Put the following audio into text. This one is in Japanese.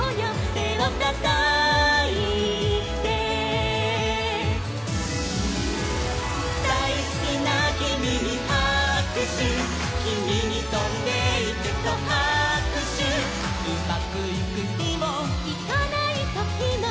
「てをたたいて」「だいすきなキミにはくしゅ」「キミにとんでいけとはくしゅ」「うまくいくひも」「いかないときも」